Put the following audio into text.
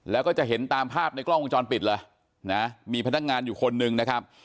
แล้วก็จะเห็นตามภาพในกล้องวงจรปิดเลยนะมีพนักงานอยู่คนหนึ่งนะครับ